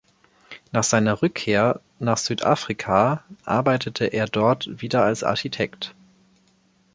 Nach seiner Rückkehr nach Südafrika arbeitete er dort wieder als Architekt.